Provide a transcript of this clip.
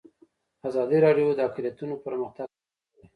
ازادي راډیو د اقلیتونه پرمختګ سنجولی.